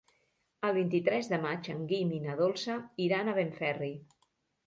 El vint-i-tres de maig en Guim i na Dolça iran a Benferri.